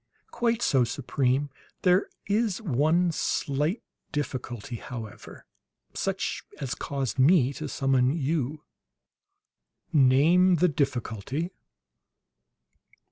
"Quite so, Supreme. There is one slight difficulty, however, such as caused me to summon you." "Name the difficulty."